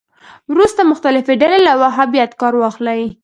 وروسته مختلفې ډلې له وهابیت کار واخلي